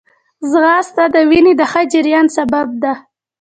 ځغاسته د وینې د ښه جریان سبب ده